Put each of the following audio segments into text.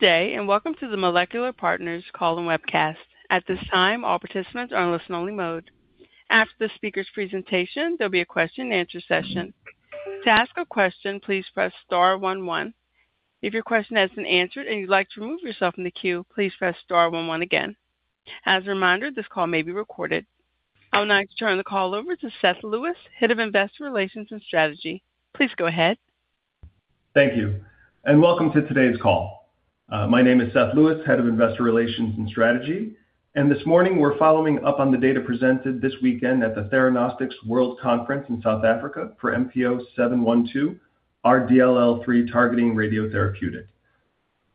Good day, and welcome to the Molecular Partners call and webcast. At this time, all participants are on listen-only mode. After the speaker's presentation, there'll be a question-and-answer session. To ask a question, please press star one one. If your question hasn't been answered and you'd like to remove yourself from the queue, please press star one one again. As a reminder, this call may be recorded. I would now like to turn the call over to Seth Lewis, Head of Investor Relations and Strategy. Please go ahead. Thank you, and welcome to today's call. My name is Seth Lewis, Head of Investor Relations and Strategy, and this morning, we're following up on the data presented this weekend at the Theranostics World Conference in South Africa for MP0712, our DLL3 targeting radiotherapeutic.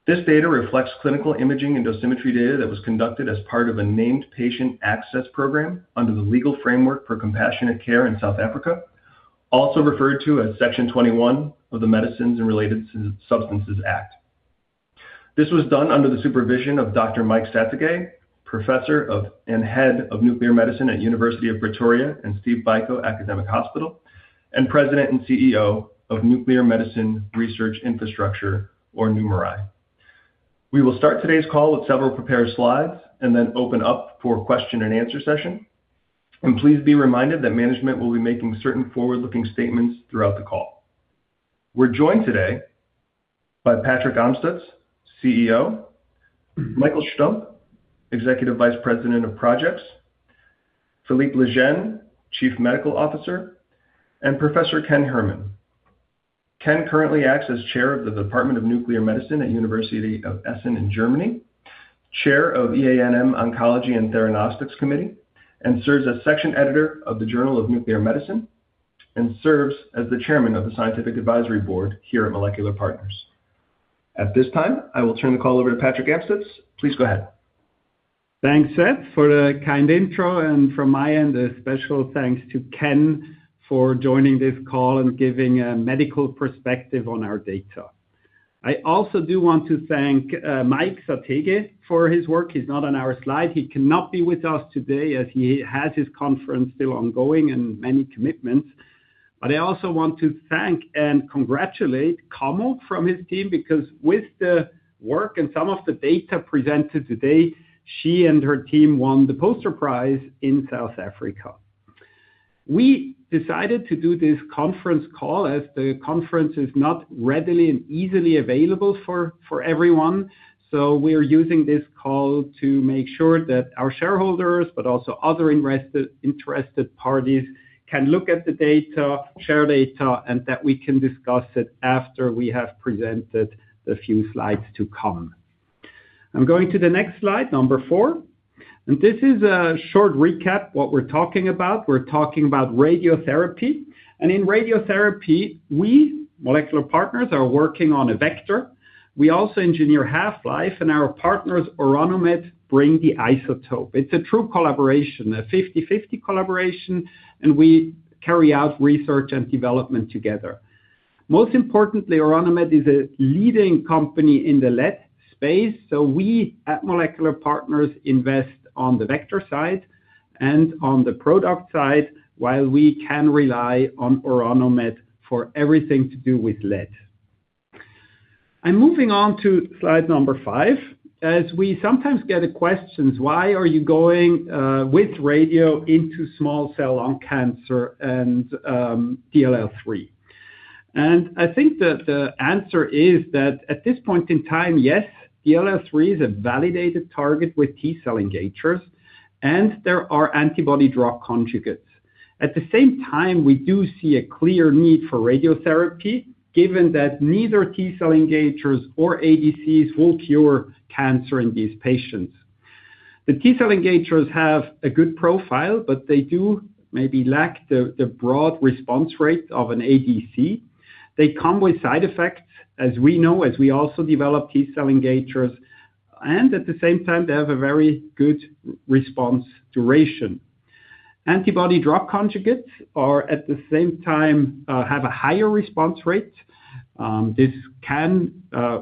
This data reflects clinical imaging and dosimetry data that was conducted as part of a named patient access program under the Legal Framework for Compassionate Care in South Africa, also referred to as Section 21 of the Medicines and Related Substances Act. This was done under the supervision of Dr. Mike Sathekge, Professor and Head of Nuclear Medicine at University of Pretoria and Steve Biko Academic Hospital, and President and CEO of Nuclear Medicine Research Infrastructure, or NuMeRI. We will start today's call with several prepared slides and then open up for question-and-answer session. Please be reminded that management will be making certain forward-looking statements throughout the call. We're joined today by Patrick Amstutz, CEO; Michael Stumpp, Executive Vice President of Projects; Philippe Legenne, Chief Medical Officer; and Professor Ken Herrmann. Ken currently acts as Chair of the Department of Nuclear Medicine at University of Essen in Germany, Chair of EANM Oncology and Theranostics Committee, and serves as Section Editor of the Journal of Nuclear Medicine, and serves as the Chairman of the Scientific Advisory Board here at Molecular Partners. At this time, I will turn the call over to Patrick Amstutz. Please go ahead. Thanks, Seth, for the kind intro, and from my end, a special thanks to Ken for joining this call and giving a medical perspective on our data. I also do want to thank Mike Sathekge for his work. He's not on our slide. He cannot be with us today as he has his conference still ongoing and many commitments. But I also want to thank and congratulate Komal from his team, because with the work and some of the data presented today, she and her team won the poster prize in South Africa. We decided to do this conference call as the conference is not readily and easily available for everyone. So we are using this call to make sure that our shareholders, but also other interested, interested parties, can look at the data, share data, and that we can discuss it after we have presented the few slides to come. I'm going to the next slide, number four, and this is a short recap, what we're talking about. We're talking about radiotherapy, and in radiotherapy, we, Molecular Partners, are working on a vector. We also engineer half-life, and our partners, Orano Med, bring the isotope. It's a true collaboration, a 50/50 collaboration, and we carry out research and development together. Most importantly, Orano Med is a leading company in the lead space, so we at Molecular Partners invest on the vector side and on the product side, while we can rely on Orano Med for everything to do with lead. I'm moving on to slide number five, as we sometimes get the questions, "Why are you going with radio into small cell lung cancer and DLL3?" I think that the answer is that at this point in time, yes, DLL3 is a validated target with T-cell engagers, and there are antibody drug conjugates. At the same time, we do see a clear need for radiotherapy, given that neither T-cell engagers or ADCs will cure cancer in these patients. The T-cell engagers have a good profile, but they do maybe lack the broad response rate of an ADC. They come with side effects, as we know, as we also develop T-cell engagers, and at the same time, they have a very good response duration. Antibody drug conjugates are, at the same time, have a higher response rate. This can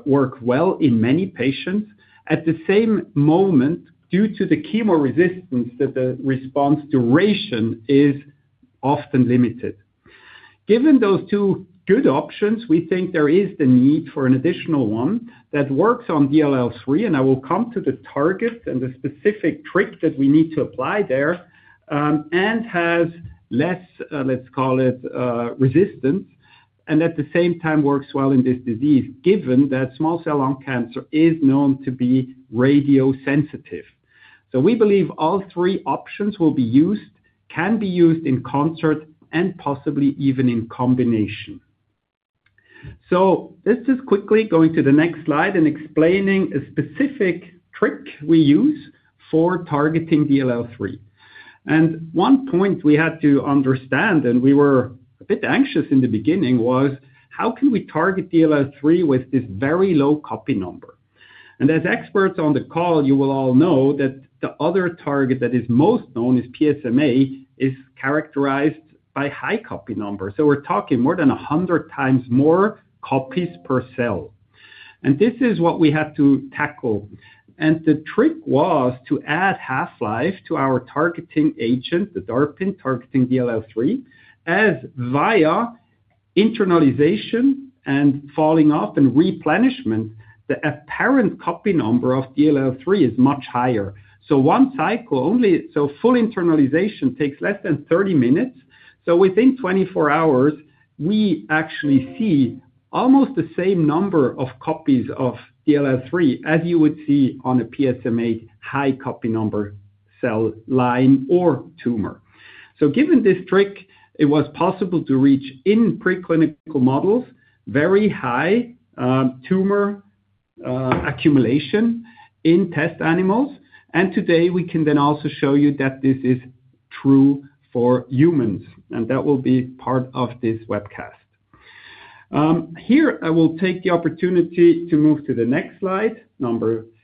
work well in many patients. At the same moment, due to the chemo resistance, that the response duration is often limited. Given those two good options, we think there is the need for an additional one that works on DLL3, and I will come to the targets and the specific trick that we need to apply there, and has less, let's call it, resistance, and at the same time, works well in this disease, given that small cell lung cancer is known to be radio sensitive. So we believe all three options will be used, can be used in concert and possibly even in combination. So let's just quickly go into the next slide and explaining a specific trick we use for targeting DLL3. One point we had to understand, and we were a bit anxious in the beginning, was: how can we target DLL3 with this very low copy number? As experts on the call, you will all know that the other target that is most known is PSMA, is characterized by high copy numbers. We're talking more than 100x more copies per cell. This is what we had to tackle. The trick was to add half-life to our targeting agent, the DARPin, targeting DLL3, as internalization and falling off and replenishment, the apparent copy number of DLL3 is much higher. One cycle only, so full internalization takes less than 30 minutes. Within 24 hours, we actually see almost the same number of copies of DLL3 as you would see on a PSMA high copy number, cell line or tumor. Given this trick, it was possible to reach in preclinical models, very high, tumor, accumulation in test animals. Today, we can then also show you that this is true for humans, and that will be part of this webcast. Here, I will take the opportunity to move to the next slide,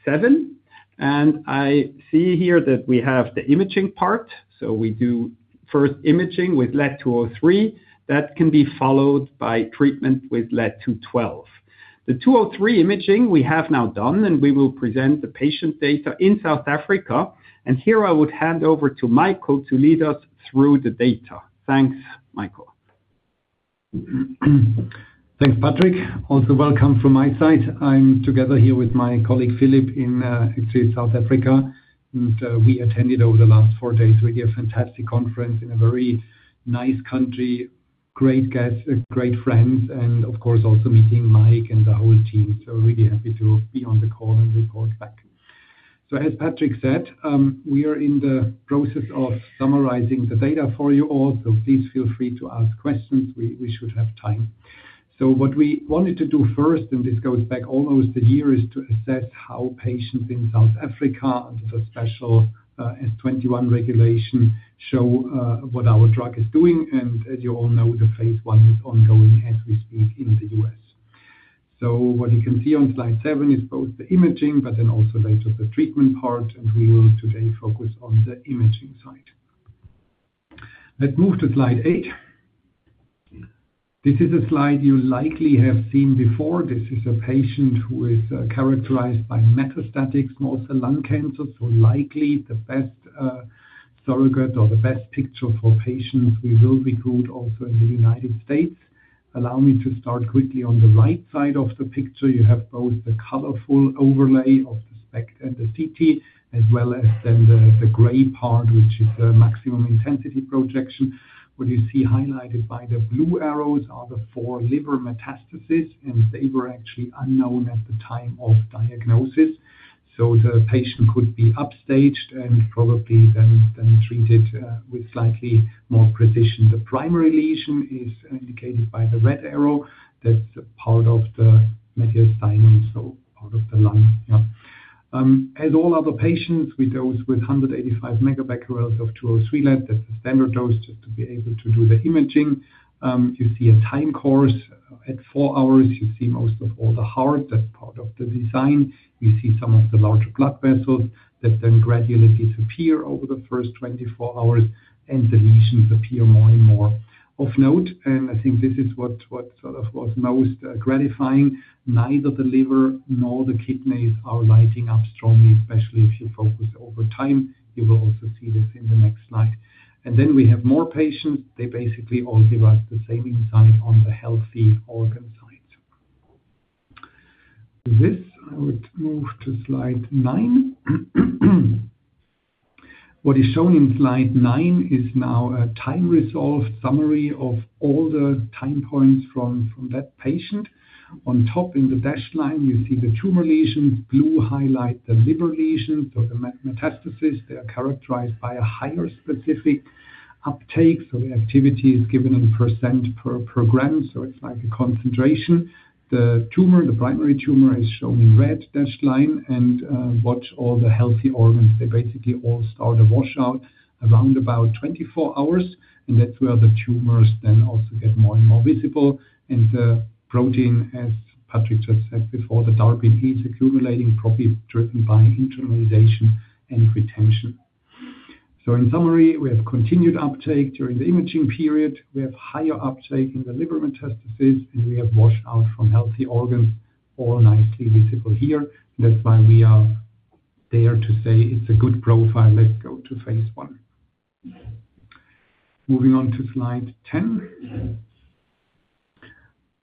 seven, and I see here that we have the imaging part. We do first imaging with Lead-203, that can be followed by treatment with Lead-212. The 203 imaging we have now done, and we will present the patient data in South Africa. Here I would hand over to Michael to lead us through the data. Thanks, Michael. Thanks, Patrick. Also, welcome from my side. I'm together here with my colleague, Philippe, in actually South Africa, and we attended over the last four days, with a fantastic conference in a very nice country, great guests, great friends, and of course, also meeting Mike and the whole team. So really happy to be on the call and report back. So as Patrick said, we are in the process of summarizing the data for you all, so please feel free to ask questions, we, we should have time. So what we wanted to do first, and this goes back almost a year, is to assess how patients in South Africa, under the special S 21 regulation, show what our drug is doing. And as you all know, the phase I is ongoing as we speak in the U.S. So what you can see on slide seven is both the imaging, but then also later, the treatment part, and we will today focus on the imaging side. Let's move to slide eight. This is a slide you likely have seen before. This is a patient who is characterized by metastatic small cell lung cancer. So likely the best surrogate or the best picture for patients we will recruit also in the United States. Allow me to start quickly. On the right side of the picture, you have both the colorful overlay of the SPECT and the CT, as well as then the gray part, which is the maximum intensity projection. What you see highlighted by the blue arrows are the four liver metastases, and they were actually unknown at the time of diagnosis. So the patient could be upstaged and probably then treated with slightly more precision. The primary lesion is indicated by the red arrow. That's part of the mediastinum, so part of the lung. Yeah. As all other patients, we dosed with 185 megabecquerels of Lead-203. That's the standard dose, just to be able to do the imaging. You see a time course. At four hours, you see most of all the heart, that's part of the design. You see some of the larger blood vessels that then gradually disappear over the first 24 hours, and the lesions appear more and more. Of note, and I think this is what, what sort of was most gratifying, neither the liver nor the kidneys are lighting up strongly, especially if you focus over time. You will also see this in the next slide. Then we have more patients. They basically all derive the same insight on the healthy organ side. With this, I would move to slide 9. What is shown in slide nine is now a time-resolved summary of all the time points from that patient. On top in the dashed line, you see the tumor lesions, blue highlight the liver lesions or the metastases. They are characterized by a higher specific uptake, so the activity is given in % per gram, so it's like a concentration. The tumor, the primary tumor, is shown in red dashed line. And watch all the healthy organs, they basically all start a washout around about 24 hours, and that's where the tumors then also get more and more visible. And the protein, as Patrick just said before, the DARPin is accumulating, probably driven by internalization and retention. So in summary, we have continued uptake during the imaging period. We have higher uptake in the liver metastases, and we have washed out from healthy organs, all nicely visible here. That's why we are there to say it's a good profile; let's go to phase I. Moving on to slide 10.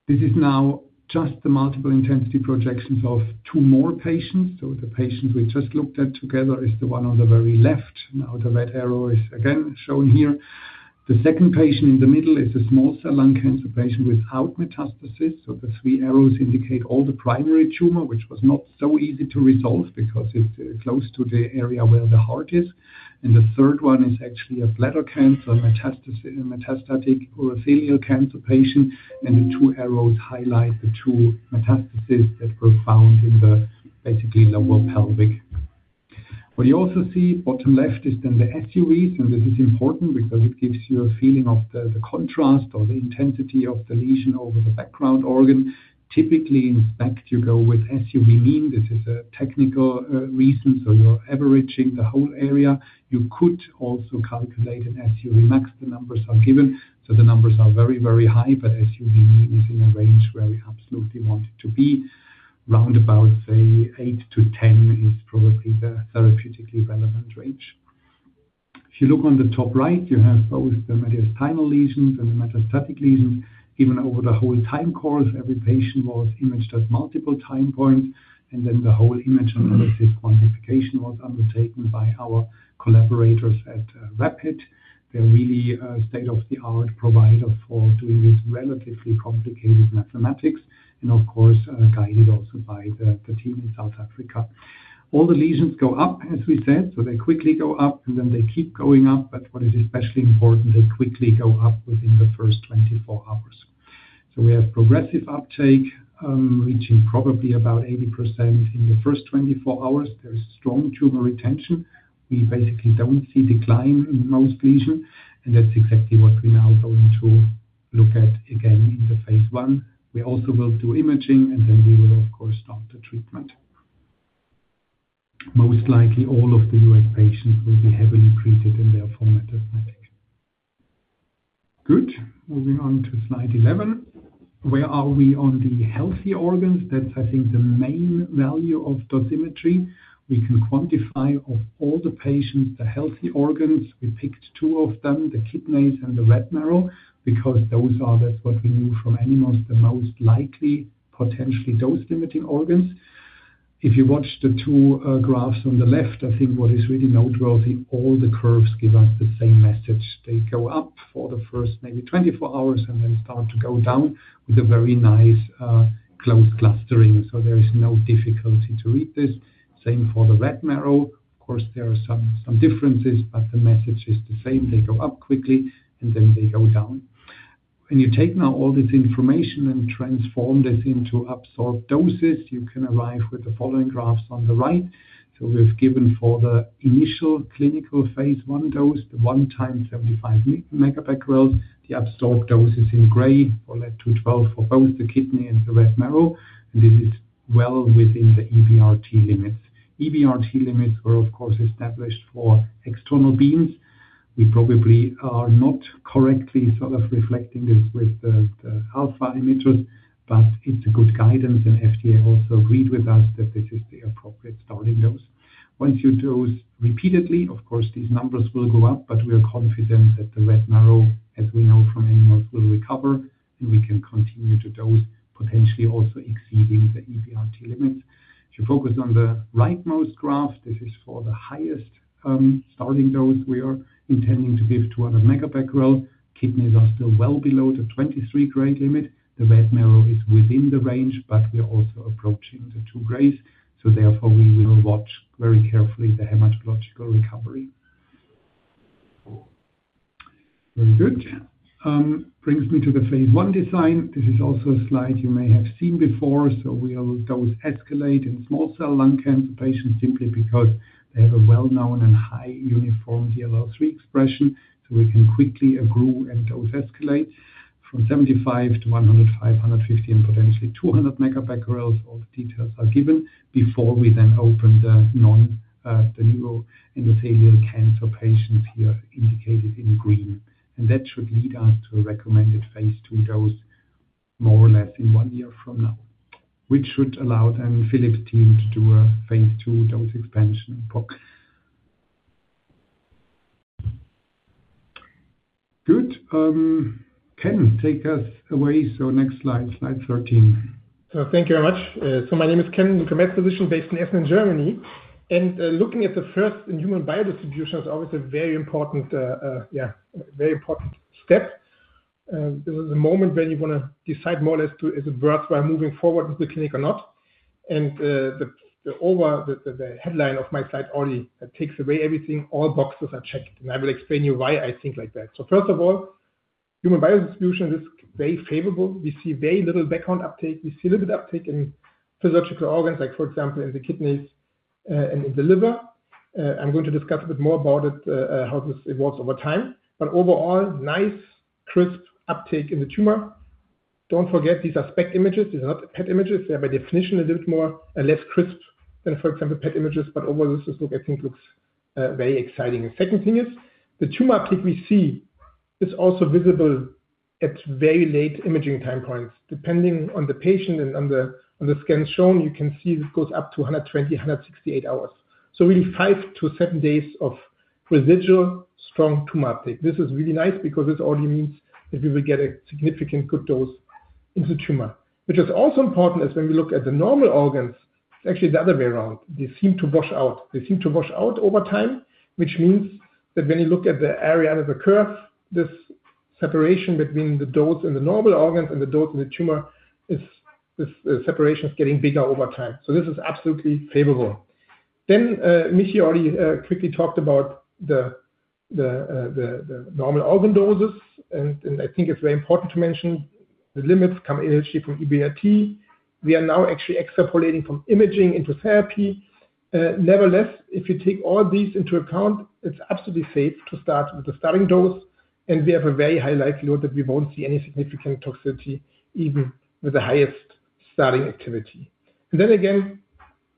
This is now just the maximum intensity projections of two more patients. So the patient we just looked at together is the one on the very left; now the red arrow is again shown here. The second patient in the middle is a small cell lung cancer patient without metastasis. So the three arrows indicate all the primary tumor, which was not so easy to resolve because it's close to the area where the heart is. And the third one is actually a bladder cancer, metastatic urothelial cancer patient, and the two arrows highlight the two metastases that were found in the, basically, lower pelvic. What you also see, bottom left, is then the SUVs, and this is important because it gives you a feeling of the, the contrast or the intensity of the lesion over the background organ. Typically, in fact, you go with SUV mean, this is a technical reason, so you're averaging the whole area. You could also calculate an SUV max. The numbers are given, so the numbers are very, very high, but SUV mean is in a range where we absolutely want it to be. Round about, say, eight-10 is probably the therapeutically relevant range.... If you look on the top right, you have both the mediastinal lesions and the metastatic lesions, even over the whole time course, every patient was imaged at multiple time points, and then the whole image analysis quantification was undertaken by our collaborators at, Radboud. They're really a state-of-the-art provider for doing this relatively complicated mathematics, and of course, guided also by the, the team in South Africa. All the lesions go up, as we said, so they quickly go up, and then they keep going up, but what is especially important, they quickly go up within the first 24 hours. So we have progressive uptake, reaching probably about 80% in the first 24 hours. There is strong tumor retention. We basically don't see decline in most lesions, and that's exactly what we're now going to look at again in the phase I. We also will do imaging, and then we will, of course, start the treatment. Most likely, all of the U.S. patients will be heavily treated in their former malignancies. Good. Moving on to slide 11. Where are we on the healthy organs? That's, I think, the main value of dosimetry. We can quantify of all the patients, the healthy organs. We picked two of them, the kidneys and the red marrow, because those are, that's what we knew from animals, the most likely, potentially dose-limiting organs. If you watch the two graphs on the left, I think what is really noteworthy, all the curves give us the same message. They go up for the first maybe 24 hours, and then start to go down with a very nice, close clustering. So there is no difficulty to read this. Same for the red marrow. Of course, there are some differences, but the message is the same. They go up quickly, and then they go down. When you take now all this information and transform this into absorbed doses, you can arrive with the following graphs on the right. So we've given for the initial clinical phase I dose, the 1 × 75 megabecquerels, the absorbed doses in gray of Lead-212 for both the kidney and the red marrow, and this is well within the EBRT limits. EBRT limits were, of course, established for external beams. We probably are not correctly sort of reflecting this with the alpha emitters, but it's a good guidance, and FDA also agreed with us that this is the appropriate starting dose. Once you dose repeatedly, of course, these numbers will go up, but we are confident that the red marrow, as we know from animals, will recover, and we can continue to dose, potentially also exceeding the EBRT limits. If you focus on the rightmost graph, this is for the highest starting dose we are intending to give 200 megabecquerel. Kidneys are still well below the 23 gray limit. The red marrow is within the range, but we are also approaching the two grays, so therefore, we will watch very carefully the hematological recovery. Very good. Brings me to the phase I design. This is also a slide you may have seen before, so we are dose escalate in small cell lung cancer patients simply because they have a well-known and high uniform DLL3 expression, so we can quickly accrue and dose escalate from 75 to 100, 550, and potentially 200 megabecquerels. All the details are given before we then open the non-, the neuroendocrine cancer patients here, indicated in green. And that should lead us to a recommended phase II dose, more or less in one year from now, which should allow then Philippe's team to do a phase II dose expansion box. Good. Ken, take us away. So next slide, slide 13. So thank you very much. So my name is Ken, I'm a med physician based in Essen, Germany. Looking at the first-in-human biodistribution is always a very important, yeah, very important step. There is a moment when you want to decide more or less to, as a bird, by moving forward with the clinic or not. The overall headline of my slide only, it takes away everything, all boxes are checked, and I will explain you why I think like that. So first of all, human biodistribution is very favorable. We see very little background uptake. We see a little bit uptake in physiological organs, like, for example, in the kidneys, and in the liver. I'm going to discuss a bit more about it, how this evolves over time. But overall, nice, crisp uptake in the tumor. Don't forget, these are SPECT images. These are not PET images. They are by definition, a little more, less crisp than, for example, PET images, but overall, this looks, I think, very exciting. The second thing is, the tumor uptake we see is also visible at very late imaging time points. Depending on the patient and on the scans shown, you can see this goes up to 120, 168 hours. So really five to seven days of residual strong tumor uptake. This is really nice because this only means that we will get a significant good dose in the tumor, which is also important as when we look at the normal organs, actually, the other way around, they seem to wash out. They seem to wash out over time, which means that when you look at the area under the curve, this separation between the dose and the normal organs and the dose and the tumor, is, this, separation is getting bigger over time. So this is absolutely favorable. Then, Mike already quickly talked about the normal organ doses, and I think it's very important to mention the limits come initially from EBRT. We are now actually extrapolating from imaging into therapy. Nevertheless, if you take all these into account, it's absolutely safe to start with the starting dose, and we have a very high likelihood that we won't see any significant toxicity, even with the highest starting activity. And then again,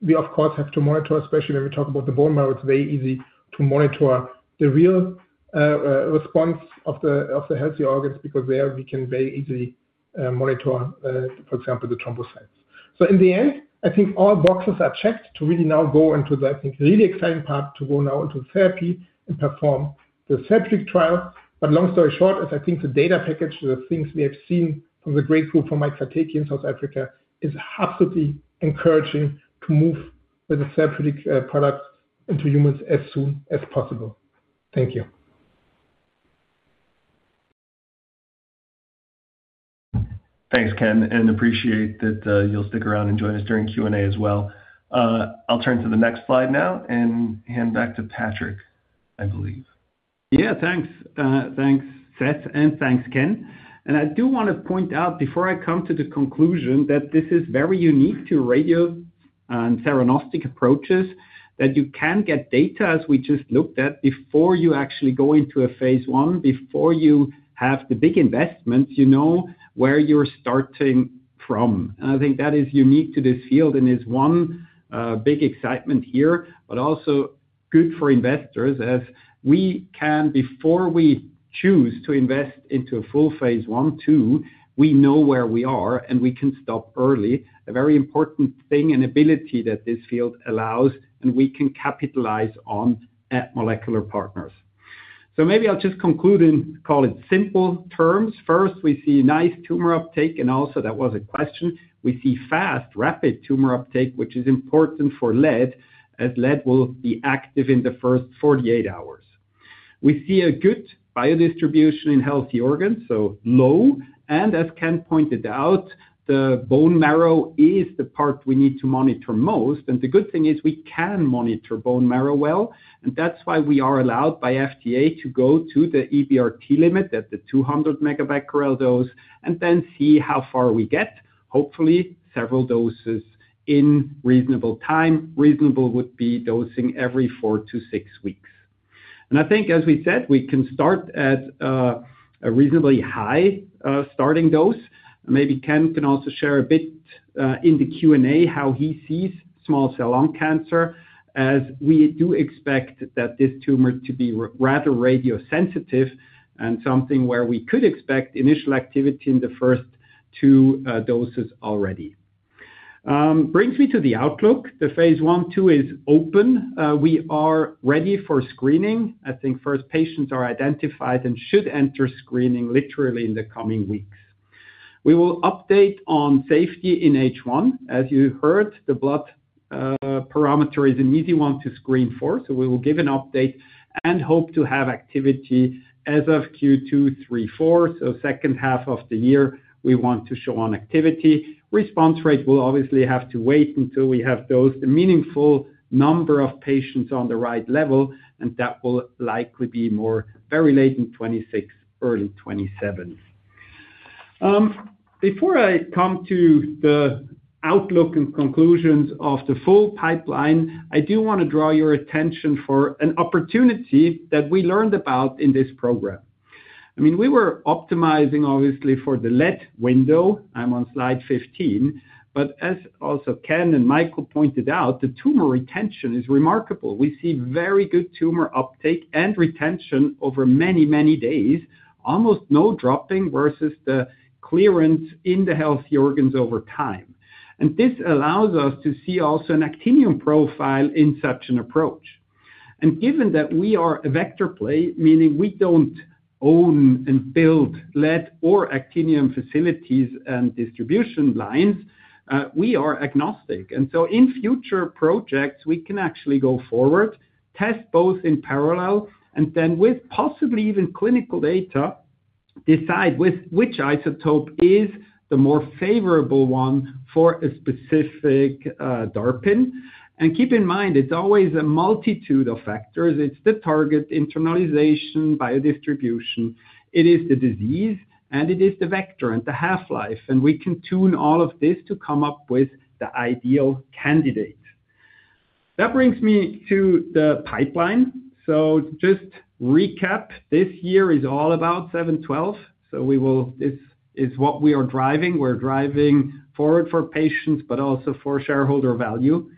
we of course have to monitor, especially when we talk about the bone marrow. It's very easy to monitor the real response of the healthy organs, because there we can very easily monitor, for example, the thrombocytes. So in the end, I think all boxes are checked to really now go into the, I think, really exciting part, to go now into therapy and perform the therapeutic trial. But long story short is, I think the data package, the things we have seen from the great group from Mike Sathekge in South Africa, is absolutely encouraging to move with the therapeutic product into humans as soon as possible. Thank you. Thanks, Ken, and I appreciate that you'll stick around and join us during Q&A as well. I'll turn to the next slide now and hand back to Patrick, I believe. Yeah, thanks. Uh, thanks, Seth, and thanks, Ken. And I do want to point out, before I come to the conclusion, that this is very unique to radio, and theranostic approaches, that you can get data, as we just looked at, before you actually go into a phase I, before you have the big investments, you know, where you're starting from. And I think that is unique to this field and is one, big excitement here, but also good for investors as we can, before we choose to invest into a full phase I, two, we know where we are, and we can stop early. A very important thing and ability that this field allows, and we can capitalize on at Molecular Partners. So maybe I'll just conclude and call it simple terms. First, we see nice tumor uptake, and also that was a question. We see fast, rapid tumor uptake, which is important for lead, as lead will be active in the first 48 hours. We see a good biodistribution in healthy organs, so low, and as Ken pointed out, the bone marrow is the part we need to monitor most, and the good thing is we can monitor bone marrow well. And that's why we are allowed by FDA to go to the EBRT limit at the 200 megabecquerel dose, and then see how far we get. Hopefully, several doses in reasonable time. Reasonable would be dosing every four-six weeks. And I think, as we said, we can start at a reasonably high starting dose. Maybe Ken can also share a bit, in the Q&A, how he sees small cell lung cancer, as we do expect that this tumor to be rather radiosensitive and something where we could expect initial activity in the first two doses already. Brings me to the outlook. The phase I/II is open. We are ready for screening. I think first patients are identified and should enter screening literally in the coming weeks. We will update on safety in H1. As you heard, the blood parameter is an easy one to screen for, so we will give an update and hope to have activity as of Q2, Q3, Q4. So second half of the year, we want to show on activity. Response rate will obviously have to wait until we have those, the meaningful number of patients on the right level, and that will likely be more very late in 2026, early 2027. Before I come to the outlook and conclusions of the full pipeline, I do want to draw your attention for an opportunity that we learned about in this program. I mean, we were optimizing, obviously, for the lead window. I'm on slide 15, but as also Ken and Michael pointed out, the tumor retention is remarkable. We see very good tumor uptake and retention over many, many days, almost no dropping versus the clearance in the healthy organs over time. And this allows us to see also an actinium profile in such an approach. Given that we are a vector play, meaning we don't own and build lead or actinium facilities and distribution lines, we are agnostic. So in future projects, we can actually go forward, test both in parallel, and then with possibly even clinical data, decide with which isotope is the more favorable one for a specific DARPin. Keep in mind, it's always a multitude of factors. It's the target, internalization, biodistribution, it is the disease, and it is the vector and the half-life. We can tune all of this to come up with the ideal candidate. That brings me to the pipeline. Just recap, this year is all about seven-twelve, so we will, this is what we are driving. We're driving forward for patients, but also for shareholder value.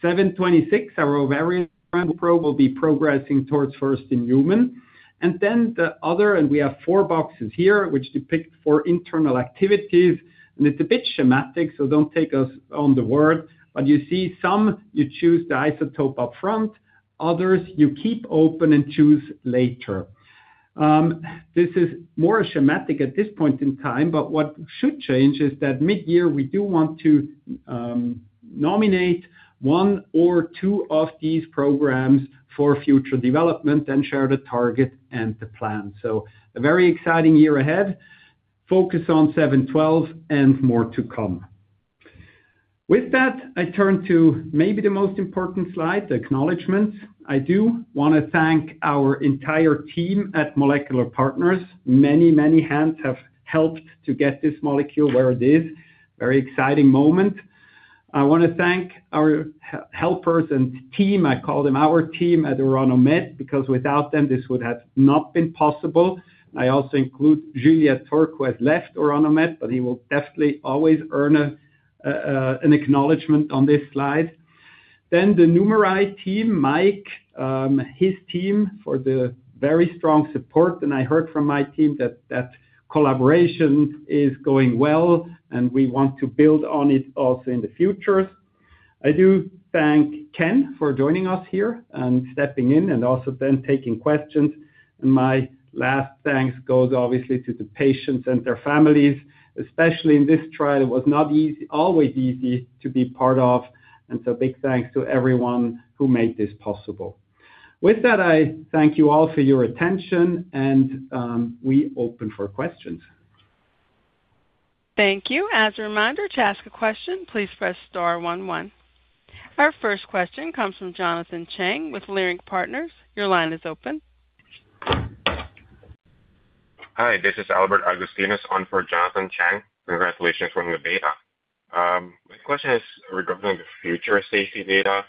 726, our ovarian program, will be progressing towards first-in-human. And then the other, and we have four boxes here, which depict four internal activities, and it's a bit schematic, so don't take us at our word. But you see some, you choose the isotope upfront, others, you keep open and choose later. This is more schematic at this point in time, but what should change is that mid-year, we do want to nominate one or two of these programs for future development and share the target and the plan. So a very exciting year ahead, focus on MP0712 and more to come. With that, I turn to maybe the most important slide, the acknowledgments. I do want to thank our entire team at Molecular Partners. Many, many hands have helped to get this molecule where it is. Very exciting moment. I want to thank our helpers and team. I call them our team at Orano Med, because without them, this would have not been possible. I also include Julien Torgue, who has left Orano Med, but he will definitely always earn a, an acknowledgment on this slide. Then the NuMeRI team, Mike, his team, for the very strong support, and I heard from my team that that collaboration is going well, and we want to build on it also in the future. I do thank Ken for joining us here and stepping in and also then taking questions. And my last thanks goes, obviously, to the patients and their families, especially in this trial. It was not always easy to be part of, and so big thanks to everyone who made this possible. With that, I thank you all for your attention, and we open for questions. Thank you. As a reminder, to ask a question, please press star one, one. Our first question comes from Jonathan Chang with Leerink Partners. Your line is open. Hi, this is Albert Agustinus on for Jonathan Chang. Congratulations on the data. My question is regarding the future safety data.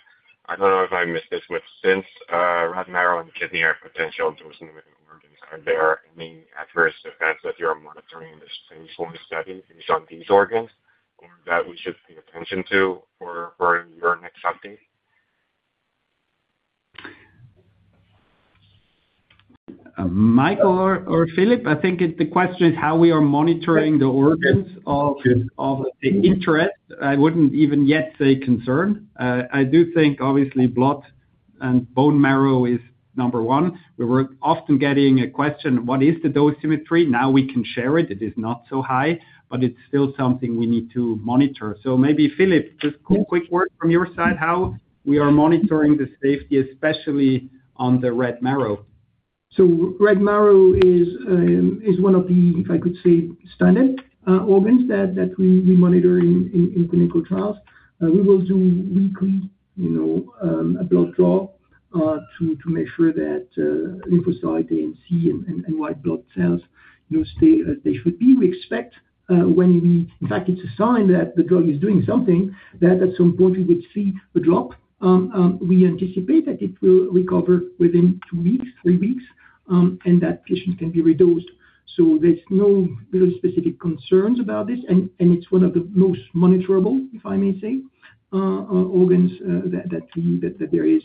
I don't know if I missed this, but since red marrow and kidney are potential dosimetry organs, are there any adverse events that you're monitoring in this phase I study based on these organs, or that we should pay attention to for your next update? Mike or Philippe? I think the question is how we are monitoring the organs- Yes. of the interest. I wouldn't even yet say concern. I do think obviously, blood and bone marrow is number one. We're often getting a question, what is the dosimetry? Now we can share it. It is not so high, but it's still something we need to monitor. So maybe Philippe, just a quick word from your side, how we are monitoring the safety, especially on the red marrow. So red marrow is one of the, if I could say, standard organs that we monitor in clinical trials. We will do weekly, you know, a blood draw to make sure that lymphocyte, ANC, and white blood cells, you know, stay as they should be. We expect, in fact, it's a sign that the drug is doing something, that at some point we would see a drop. We anticipate that it will recover within two weeks, three weeks, and that patients can be redosed. So there's no specific concerns about this, and it's one of the most monitorable, if I may say, organs that there is.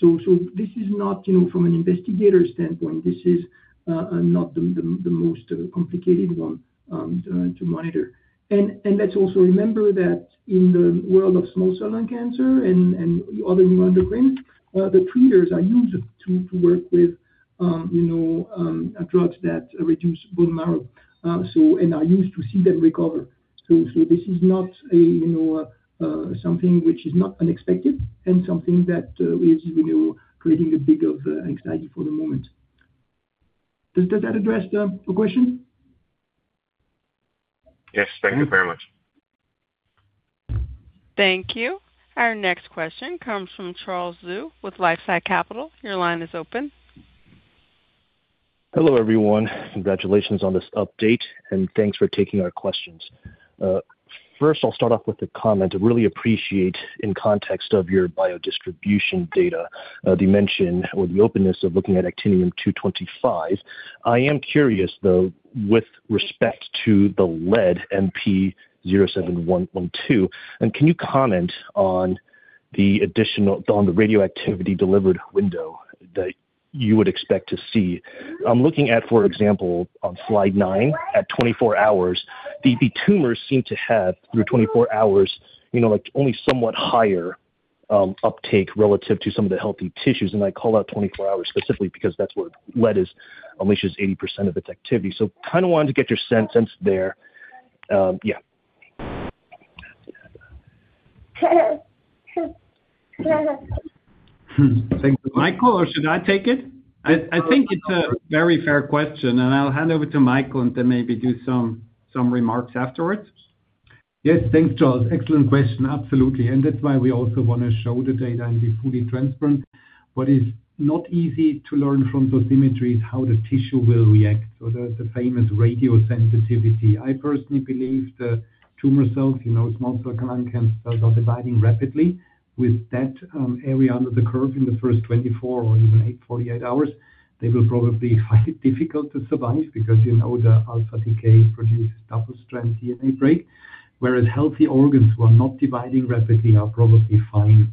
So, this is not, you know, from an investigator standpoint, this is not the most complicated one to monitor. And let's also remember that in the world of small cell lung cancer and other neuroendocrine tumors, the treaters are used to work with, you know, drugs that reduce bone marrow, and are used to see them recover. So, this is not, you know, something which is not unexpected and something that is, you know, creating a bit of anxiety for the moment. Does that address the question? Yes. Thank you very much. Thank you. Our next question comes from Charles Zhu with LifeSci Capital. Your line is open. Hello, everyone. Congratulations on this update, and thanks for taking our questions. First, I'll start off with a comment. I really appreciate, in context of your biodistribution data, the mention or the openness of looking at Actinium-225. I am curious, though, with respect to the Lead-212, MP-0712, and can you comment on the on the radioactivity delivered window that you would expect to see? I'm looking at, for example, on slide nine, at 24 hours, the tumors seem to have, through 24 hours, you know, like, only somewhat higher uptake relative to some of the healthy tissues. I call out 24 hours specifically because that's where lead unleashes 80% of its activity. So kind of wanted to get your sense there. Thank you. Michael, or should I take it? I, I think it's a very fair question, and I'll hand over to Michael and then maybe do some, some remarks afterwards. Yes, thanks, Charles. Excellent question. Absolutely, and that's why we also want to show the data and be fully transparent. What is not easy to learn from dosimetry is how the tissue will react, so the famous radiosensitivity. I personally believe the tumor cells, you know, small cell lung cancer, are dividing rapidly. With that, area under the curve in the first 24 or even 48 hours, they will probably find it difficult to survive because, you know, the alpha decay produces double-strand DNA break, whereas healthy organs who are not dividing rapidly are probably fine.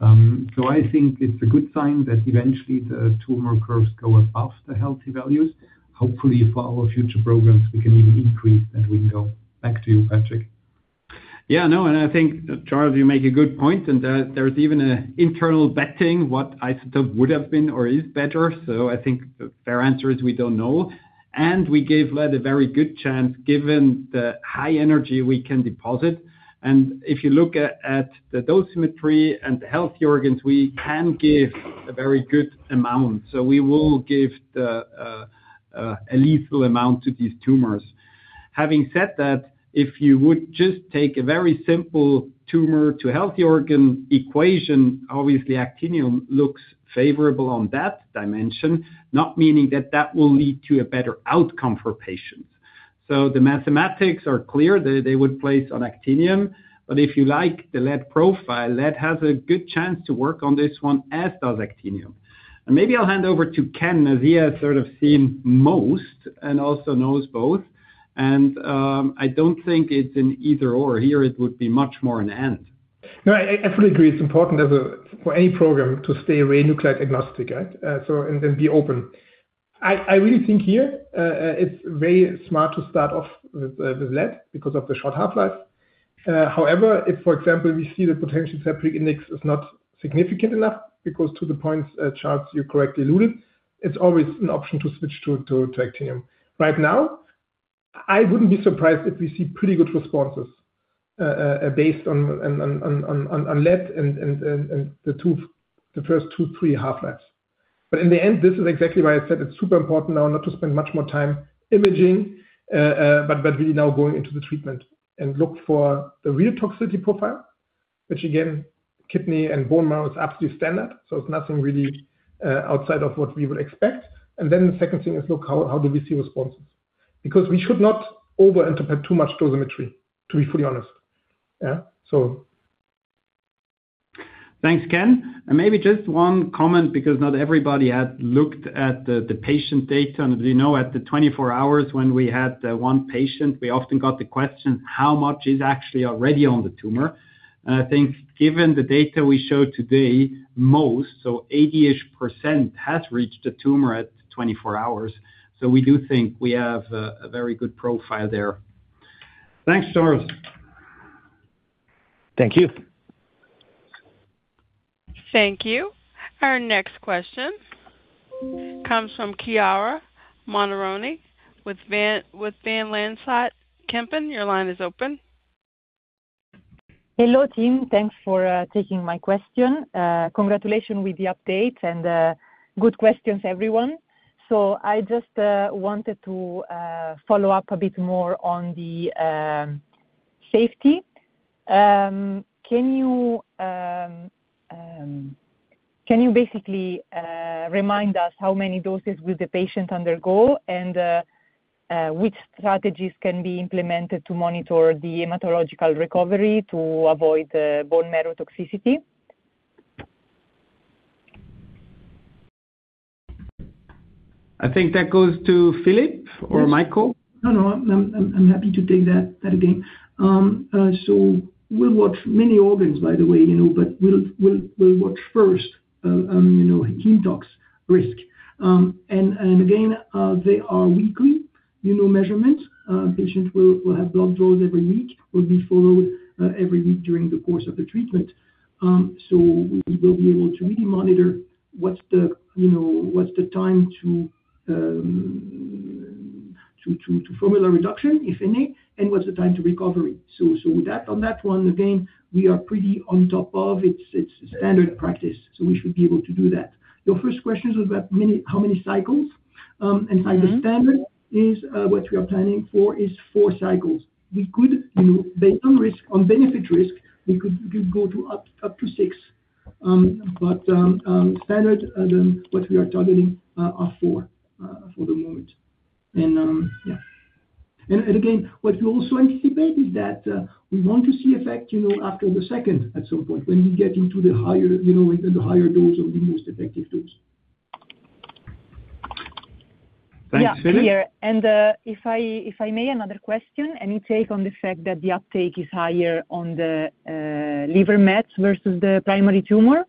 So I think it's a good sign that eventually the tumor curves go above the healthy values. Hopefully, for our future programs, we can even increase that window. Back to you, Patrick. Yeah, no, and I think, Charles, you make a good point, and there, there's even an internal betting, what isotope would have been or is better. So I think the fair answer is we don't know. And we gave lead a very good chance, given the high energy we can deposit. And if you look at, at the dosimetry and the healthy organs, we can give a very good amount, so we will give a lethal amount to these tumors. Having said that, if you would just take a very simple tumor to healthy organ equation, obviously actinium looks favorable on that dimension, not meaning that that will lead to a better outcome for patients. So the mathematics are clear, they, they would place on actinium, but if you like the lead profile, lead has a good chance to work on this one, as does actinium. Maybe I'll hand over to Ken, as he has sort of seen most and also knows both. I don't think it's an either/or here, it would be much more an end.... No, I absolutely agree it's important as a, for any program to stay radionuclide agnostic, right? So, and then be open. I really think here, it's very smart to start off with lead because of the short half-life. However, if, for example, we see the potential therapeutic index is not significant enough, because to the points, Charles, you correctly alluded, it's always an option to switch to actinium. Right now, I wouldn't be surprised if we see pretty good responses based on lead and the first two, three half-lives. But in the end, this is exactly why I said it's super important now not to spend much more time imaging, but really now going into the treatment and look for the real toxicity profile, which, again, kidney and bone marrow is absolutely standard, so it's nothing really outside of what we would expect. And then the second thing is look how do we see responses? Because we should not over-interpret too much dosimetry, to be fully honest. Yeah, so. Thanks, Ken. And maybe just one comment, because not everybody has looked at the, the patient data. And, you know, at the 24 hours when we had one patient, we often got the question, how much is actually already on the tumor? And I think given the data we showed today, most, so 80%-ish, has reached the tumor at 24 hours. So we do think we have a, a very good profile there. Thanks, Charles. Thank you. Thank you. Our next question comes from Chiara Montironi with Van Lanschot Kempen. Your line is open. Hello, team. Thanks for taking my question. Congratulations with the update and good questions, everyone. So I just wanted to follow up a bit more on the safety. Can you basically remind us how many doses will the patient undergo, and which strategies can be implemented to monitor the hematological recovery to avoid bone marrow toxicity? I think that goes to Philippe or Michael. No, I'm happy to take that again. So we'll watch many organs, by the way, you know, but we'll watch first, you know, hemotox risk. And again, they are weekly, you know, measurements. Patients will have blood draws every week, will be followed every week during the course of the treatment. So we will be able to really monitor what's the, you know, what's the time to formula reduction, if any, and what's the time to recovery. So with that, on that one, again, we are pretty on top of it. It's standard practice, so we should be able to do that. Your first question was about many—how many cycles? And by the standard is what we are planning for is four cycles. We could, you know, based on risk, on benefit risk, we could go up to six. But standard, what we are targeting are four for the moment. And yeah. And again, what we also anticipate is that we want to see effect, you know, after the second at some point, when we get into the higher, you know, the higher dose or the most effective dose. Thanks, Philippe. Yeah, clear. And, if I, if I may, another question, any take on the fact that the uptake is higher on the, liver mets versus the primary tumor?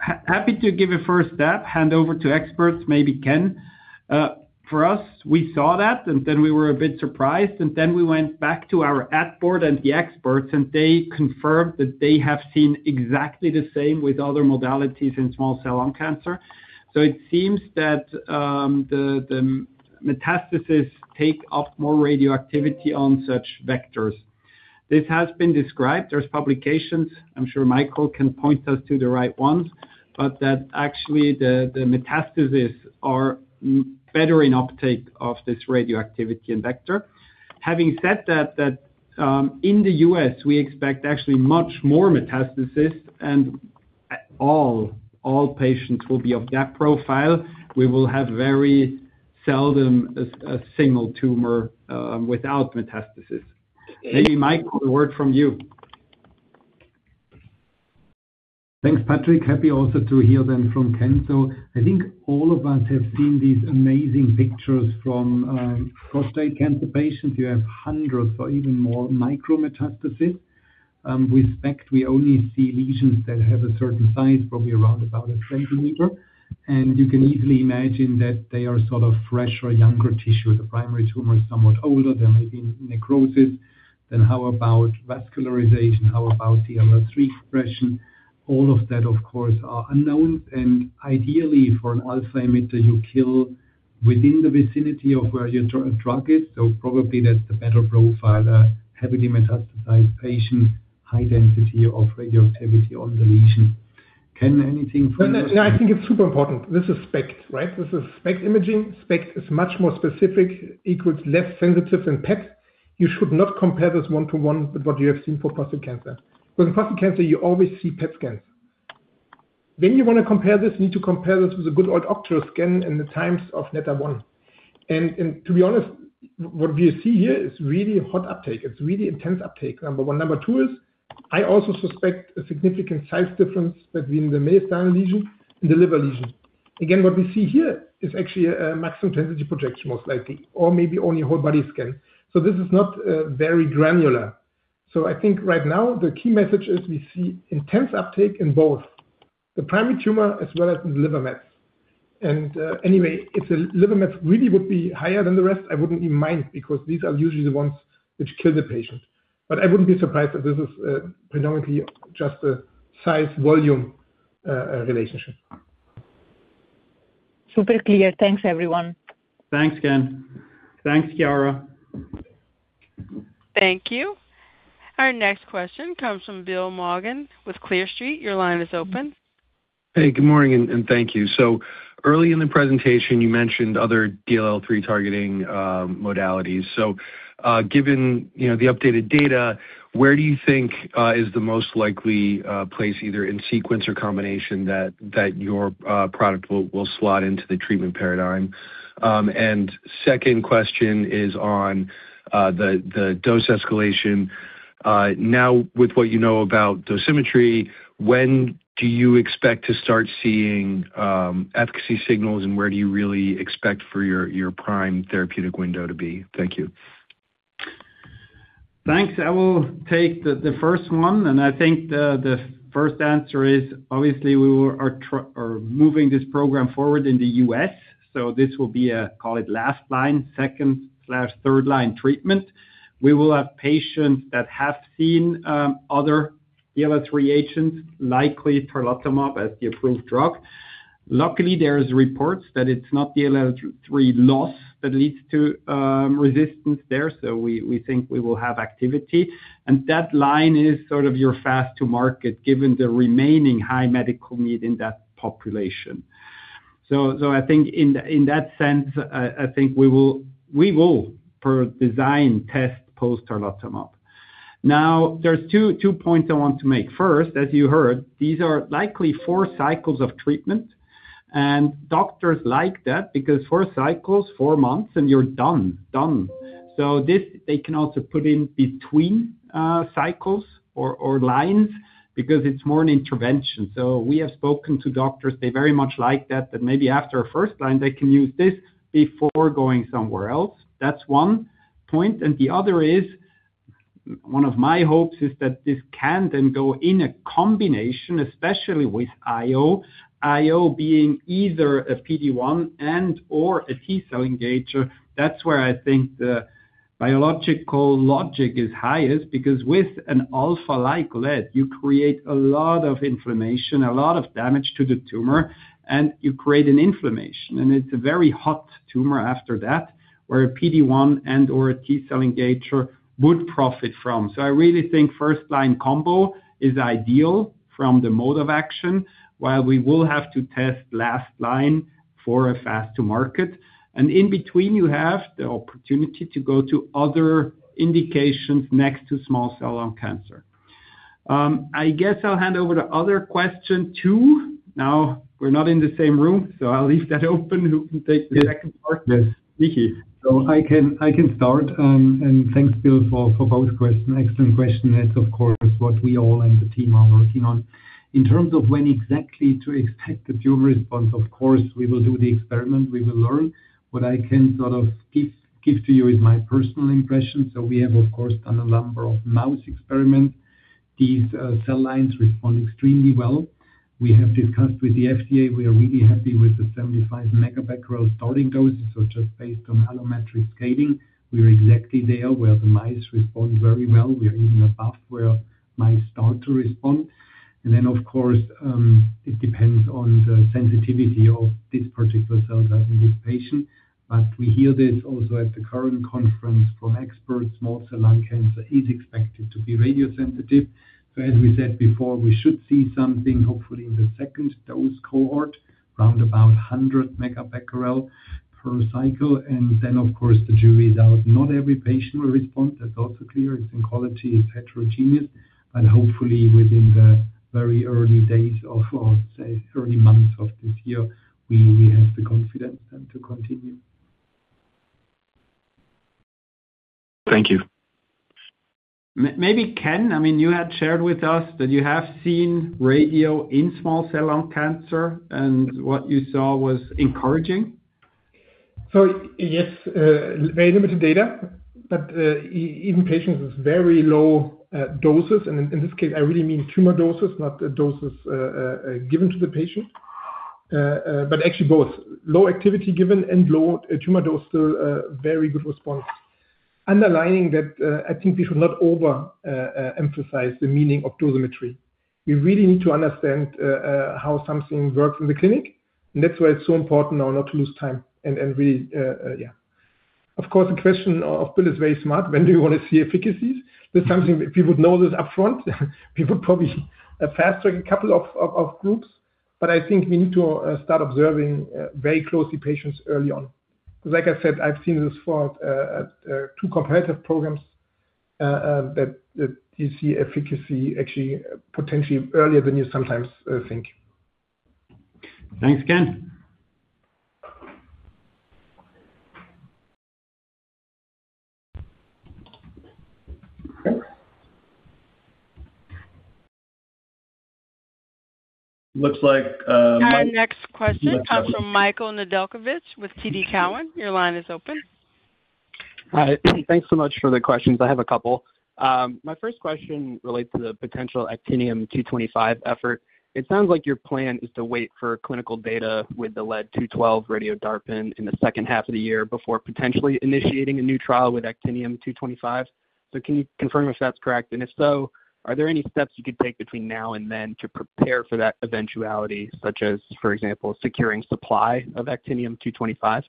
Happy to give a first step, hand over to experts, maybe Ken. For us, we saw that, and then we were a bit surprised, and then we went back to our ad board and the experts, and they confirmed that they have seen exactly the same with other modalities in small cell lung cancer. So it seems that the metastasis take up more radioactivity on such vectors. This has been described, there's publications, I'm sure Michael can point us to the right ones, but that actually the metastasis are better in uptake of this radioactivity and vector. Having said that, in the U.S., we expect actually much more metastasis, and all patients will be of that profile. We will have very seldom a single tumor without metastasis. Maybe Michael, a word from you. Thanks, Patrick. Happy also to hear them from Ken. So I think all of us have seen these amazing pictures from prostate cancer patients. You have hundreds or even more micrometastasis. With SPECT, we only see lesions that have a certain size, probably around about a centimeter. And you can easily imagine that they are sort of fresh or younger tissue. The primary tumor is somewhat older, there may be necrosis. Then how about vascularization? How about the DLL3 expression? All of that, of course, are unknown, and ideally, for an alpha emitter, you kill within the vicinity of where your drug is, so probably that's the better profile, a heavily metastasized patient, high density of radioactivity on the lesion. Ken, anything from you? No, I think it's super important. This is SPECT, right? This is SPECT imaging. SPECT is much more specific, equals less sensitive than PET. You should not compare this one to one with what you have seen for prostate cancer. With prostate cancer, you always see PET scans. When you want to compare this, you need to compare this with a good old Octreoscan in the times of meta one. To be honest, what we see here is really hot uptake. It's really intense uptake, number one. Number two is I also suspect a significant size difference between the mediastinal lesion and the liver lesion. Again, what we see here is actually a maximum intensity projection, most likely, or maybe only a whole body scan. So this is not very granular. So I think right now, the key message is we see intense uptake in both the primary tumor as well as in the liver mets. Anyway, if the liver mets really would be higher than the rest, I wouldn't even mind, because these are usually the ones which kill the patient. But I wouldn't be surprised if this is predominantly just a size volume relationship. Super clear. Thanks, everyone. Thanks, Ken. Thanks, Chiara. Thank you. Our next question comes from Bill Maughan with Clear Street. Your line is open. Hey, good morning, and thank you. So early in the presentation, you mentioned other DLL3 targeting modalities. So, given, you know, the updated data, where do you think is the most likely place, either in sequence or combination, that your product will slot into the treatment paradigm? And second question is on the dose escalation. Now, with what you know about dosimetry, when do you expect to start seeing efficacy signals, and where do you really expect for your prime therapeutic window to be? Thank you. Thanks. I will take the first one, and I think the first answer is, obviously, we are moving this program forward in the U.S., so this will be a, call it, last line, second/third-line treatment. We will have patients that have seen other DLL3 agents, likely tarlatamab as the approved drug. Luckily, there is reports that it's not DLL3 loss that leads to resistance there, so we think we will have activity. And that line is sort of your fast to market, given the remaining high medical need in that population. So I think in that sense, I think we will for design test post tarlatamab. Now, there's two points I want to make. First, as you heard, these are likely four cycles of treatment, and doctors like that because four cycles, four months, and you're done, done. So this, they can also put in between cycles or lines because it's more an intervention. So we have spoken to doctors. They very much like that, that maybe after a first line, they can use this before going somewhere else. That's one point. And the other is, one of my hopes is that this can then go in a combination, especially with IO, IO being either a PD-1 and/or a T-cell engager. That's where I think the biological logic is highest, because with an alpha-like lead, you create a lot of inflammation, a lot of damage to the tumor, and you create an inflammation, and it's a very hot tumor after that, where a PD-1 and/or a T-cell engager would profit from. So I really think first line combo is ideal from the mode of action, while we will have to test last line for a fast to market. In between, you have the opportunity to go to other indications next to small cell lung cancer. I guess I'll hand over the other question, too. Now, we're not in the same room, so I'll leave that open, who can take the second part? Yes. Philippe. So I can, I can start, and thanks, Bill, for, for both questions. Excellent question. That's, of course, what we all and the team are working on. In terms of when exactly to expect the fuel response, of course, we will do the experiment, we will learn. What I can sort of give, give to you is my personal impression. So we have, of course, done a number of mouse experiments. These cell lines respond extremely well. We have discussed with the FDA. We are really happy with the 75 megabecquerel starting dose. So just based on allometric scaling, we are exactly there, where the mice respond very well. We are even above where mice start to respond. And then, of course, it depends on the sensitivity of this particular cell line in this patient. We hear this also at the current conference from experts. Small cell lung cancer is expected to be radiosensitive. As we said before, we should see something, hopefully in the second dose cohort, round about 100 megabecquerel per cycle. Then, of course, the jury is out. Not every patient will respond, that's also clear. Its oncology is heterogeneous, but hopefully within the very early days of, or say early months of this year, we have the confidence then to continue. Thank you. Maybe, Ken, I mean, you had shared with us that you have seen radio in small cell lung cancer, and what you saw was encouraging? So yes, very limited data, but, in patients with very low doses, and in this case, I really mean tumor doses, not the doses given to the patient, but actually both. Low activity given and low tumor dose, still a very good response. Underlining that, I think we should not overemphasize the meaning of dosimetry. We really need to understand how something works in the clinic, and that's why it's so important now not to lose time and really... Yeah. Of course, the question of Bill is very smart. When do you want to see efficacies? That's something if people know this upfront, people probably are faster in a couple of groups. But I think we need to start observing very closely patients early on. Like I said, I've seen this for two competitive programs that you see efficacy actually potentially earlier than you sometimes think. Thanks, Ken.... Looks like... Our next question comes from Michael Nedelcovych with TD Cowen. Your line is open. Hi, thanks so much for the questions. I have a couple. My first question relates to the potential Actinium-225 effort. It sounds like your plan is to wait for clinical data with the Lead-212 Radio-DARPin in the second half of the year before potentially initiating a new trial with Actinium-225. So can you confirm if that's correct? And if so, are there any steps you could take between now and then to prepare for that eventuality, such as, for example, securing supply of Actinium-225?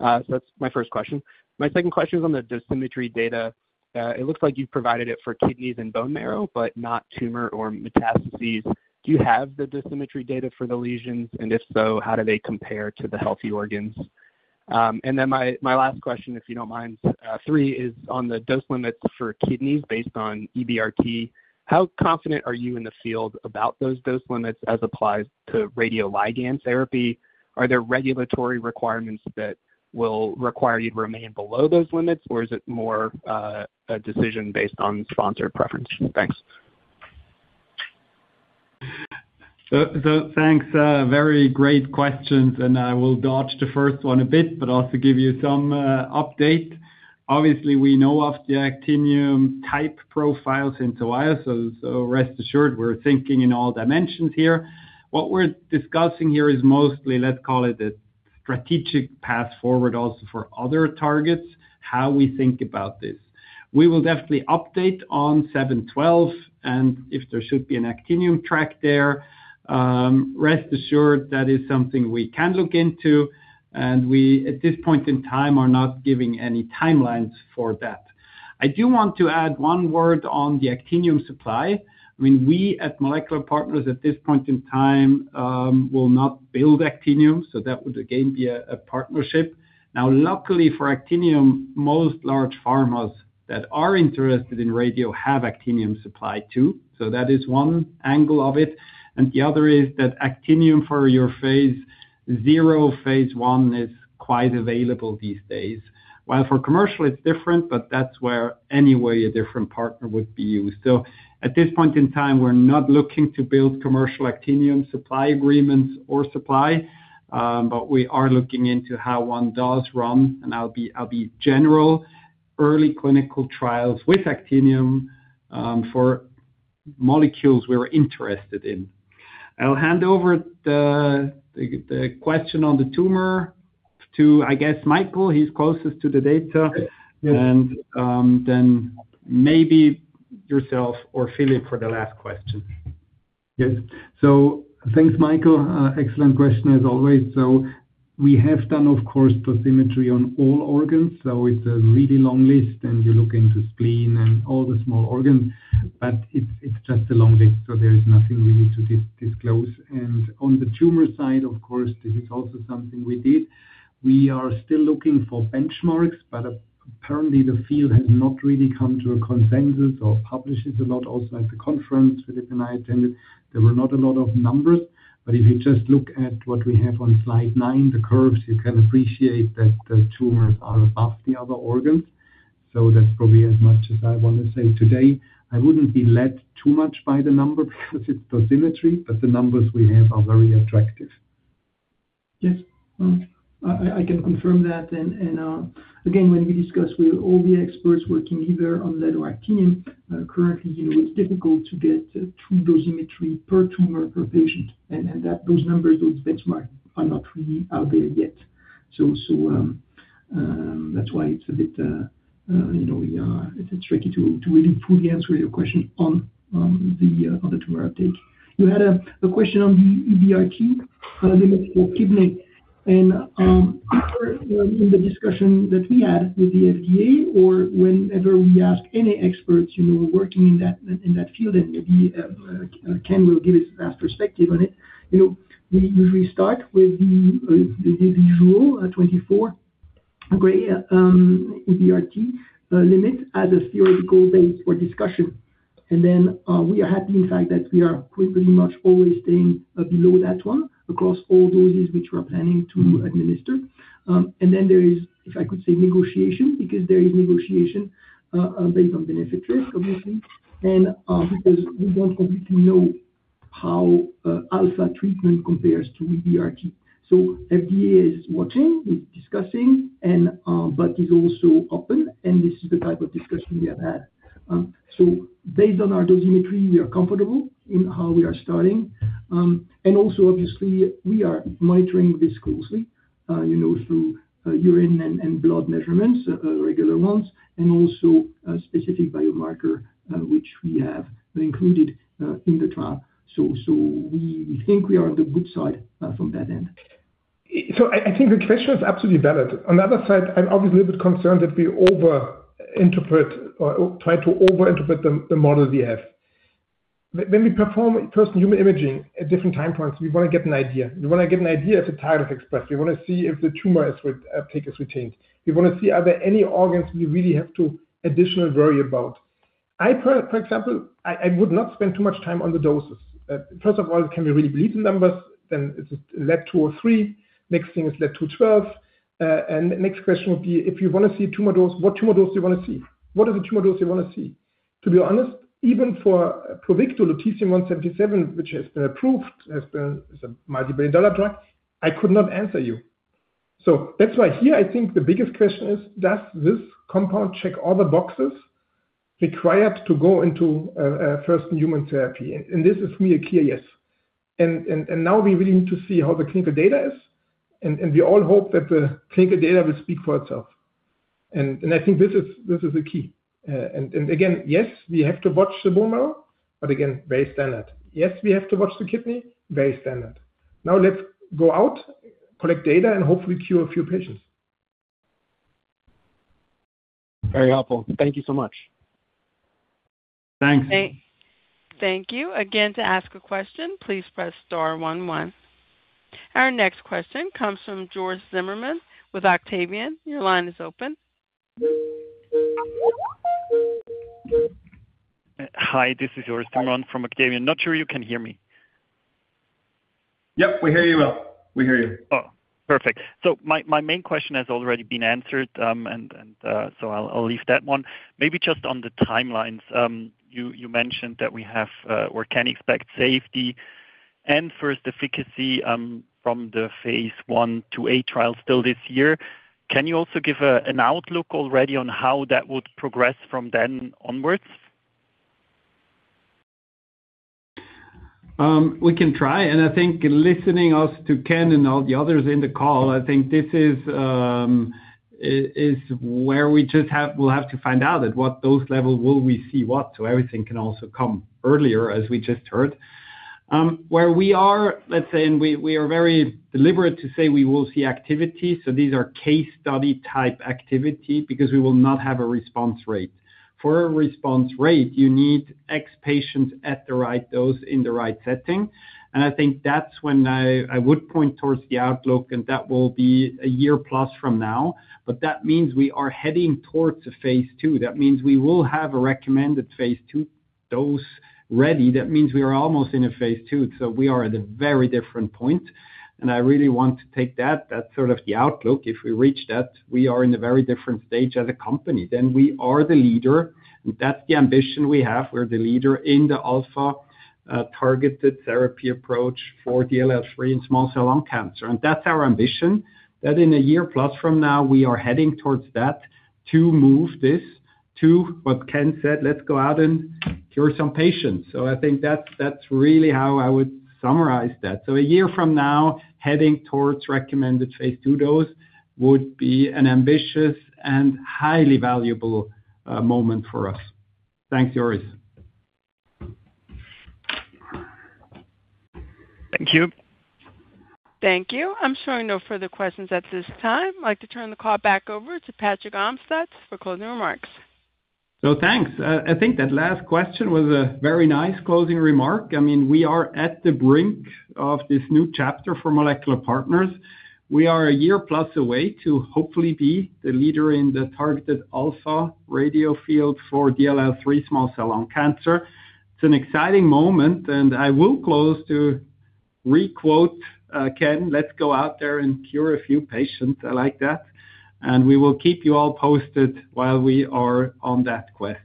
So that's my first question. My second question is on the dosimetry data. It looks like you've provided it for kidneys and bone marrow, but not tumor or metastases. Do you have the dosimetry data for the lesions? And if so, how do they compare to the healthy organs? Then my, my last question, if you don't mind, three, is on the dose limits for kidneys based on EBRT. How confident are you in the field about those dose limits as applies to radioligand therapy? Are there regulatory requirements that will require you to remain below those limits, or is it more, a decision based on sponsor preference? Thanks. So, so thanks, very great questions, and I will dodge the first one a bit, but also give you some update. Obviously, we know of the actinium type profiles in tarlatamab, so, so rest assured we're thinking in all dimensions here. What we're discussing here is mostly, let's call it a strategic path forward, also for other targets, how we think about this. We will definitely update on MP0712, and if there should be an actinium track there, rest assured that is something we can look into, and we, at this point in time, are not giving any timelines for that. I do want to add one word on the actinium supply. I mean, we at Molecular Partners at this point in time, will not build actinium, so that would again, be a partnership. Now, luckily for actinium, most large pharmas that are interested in radio have actinium supply, too. So that is one angle of it. The other is that actinium for your phase zero, phase I, is quite available these days. While for commercial it's different, but that's where anyway a different partner would be used. So at this point in time, we're not looking to build commercial actinium supply agreements or supply, but we are looking into how one does run, and I'll be general, early clinical trials with actinium, for molecules we're interested in. I'll hand over the question on the tumor to, I guess, Michael, he's closest to the data. Yes. And then maybe yourself or Philippe for the last question. Yes. So thanks, Michael. Excellent question as always. So we have done, of course, dosimetry on all organs, so it's a really long list, and you look into spleen and all the small organs, but it's just a long list, so there is nothing really to disclose. On the tumor side, of course, this is also something we did. We are still looking for benchmarks, but apparently the field has not really come to a consensus or publishes a lot. Also, at the conference Philippe and I attended, there were not a lot of numbers, but if you just look at what we have on slide nine, the curves, you can appreciate that the tumors are above the other organs. So that's probably as much as I want to say today. I wouldn't be led too much by the numbers because it's dosimetry, but the numbers we have are very attractive. Yes. I can confirm that. Again, when we discuss with all the experts working either on lead or actinium, currently, you know, it's difficult to get through dosimetry per tumor, per patient, and then those numbers, those benchmarks are not really out there yet. So, that's why it's a bit, you know, it's tricky to really fully answer your question on the tumor uptake. You had a question on the EBRT, the kidney. In the discussion that we had with the FDA, or whenever we ask any experts, you know, working in that, in that field, and maybe, Ken will give his perspective on it, you know, we usually start with the, the visual, 24 gray, EBRT, limit as a theoretical base for discussion. And then, we are happy, in fact, that we are pretty much always staying, below that one across all doses which we're planning to administer. And then there is, if I could say, negotiation, because there is negotiation, based on benefit risk, obviously, and, because we don't completely know how, alpha treatment compares to EBRT. So FDA is watching, is discussing, and, but is also open, and this is the type of discussion we have had. So based on our dosimetry, we are comfortable in how we are starting. And also, obviously, we are monitoring this closely, you know, through urine and blood measurements, regular ones, and also a specific biomarker, which we have included in the trial. So we think we are on the good side from that end. So I think the question is absolutely valid. On the other side, I'm obviously a bit concerned that we over interpret or try to over interpret the model we have. When we perform first human imaging at different time points, we want to get an idea. We want to get an idea at the time of express. We want to see if the tumor uptake as retained. We want to see, are there any organs we really have to additionally worry about? For example, I would not spend too much time on the doses. First of all, it can be really bleak numbers, then it's Lead-203. Next thing is Lead-212. And next question would be, if you want to see tumor dose, what tumor dose do you want to see? What are the tumor doses you want to see? To be honest, even for Pluvicto, Lutetium-177, which has been approved as the, as a multibillion-dollar drug, I could not answer you. So that's why here, I think the biggest question is, does this compound check all the boxes required to go into first human therapy? And, and, and now we really need to see how the clinical data is, and, and we all hope that the clinical data will speak for itself. And, and I think this is, this is the key. And again, yes, we have to watch the bone marrow, but again, very standard. Yes, we have to watch the kidney, very standard. Now let's go out, collect data, and hopefully cure a few patients. Very helpful. Thank you so much. Thanks. Thank you. Again, to ask a question, please press star one, one. Our next question comes from Georg Zimmermann with Octavian. Your line is open. Hi, this is Georg Zimmermann from Octavian. Not sure you can hear me. Yep, we hear you well. We hear you. Oh, perfect. So my main question has already been answered, and so I'll leave that one. Maybe just on the timelines. You mentioned that we have or can expect safety and first efficacy from the phase I/II-A trials still this year. Can you also give an outlook already on how that would progress from then onwards? We can try, and I think listening us to Ken and all the others in the call, I think this is where we just have we'll have to find out at what those levels will we see what. So everything can also come earlier, as we just heard. Where we are, let's say, and we are very deliberate to say we will see activity, so these are case study type activity because we will not have a response rate. For a response rate, you need X patients at the right dose, in the right setting, and I think that's when I would point towards the outlook, and that will be a year-plus from now. But that means we are heading towards a phase II. That means we will have a recommended phase II dose ready. That means we are almost in a phase II, so we are at a very different point, and I really want to take that. That's sort of the outlook. If we reach that, we are in a very different stage as a company. Then we are the leader, and that's the ambition we have. We're the leader in the alpha targeted therapy approach for DLL3 in small cell lung cancer. And that's our ambition, that in a year-plus from now, we are heading towards that, to move this to what Ken said, "Let's go out and cure some patients." So I think that's really how I would summarize that. So a year from now, heading towards recommended phase II dose would be an ambitious and highly valuable moment for us. Thanks, George. Thank you. Thank you. I'm showing no further questions at this time. I'd like to turn the call back over to Patrick Amstutz for closing remarks. Thanks. I think that last question was a very nice closing remark. I mean, we are at the brink of this new chapter for Molecular Partners. We are a year-plus away to hopefully be the leader in the targeted alpha radio field for DLL3 small cell lung cancer. It's an exciting moment, and I will close to re-quote Ken, "Let's go out there and cure a few patients." I like that, and we will keep you all posted while we are on that quest.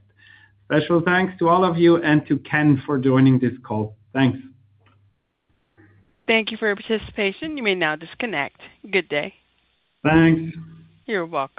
Special thanks to all of you and to Ken for joining this call. Thanks. Thank you for your participation. You may now disconnect. Good day. Thanks. You're welcome.